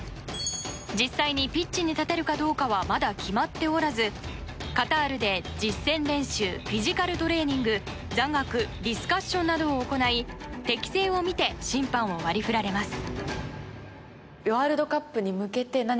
実際にピッチに立てるかどうかはまだ決まっておらずカタールで実戦練習フィジカルトレーニング座学ディスカッションなどを行い適性を見て審判を割り振られます。